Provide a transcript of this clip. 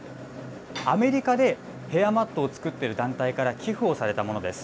アメリカでヘアマットを作っている団体から寄付をされたものです。